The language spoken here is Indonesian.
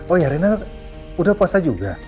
oh ya rinal udah puasa juga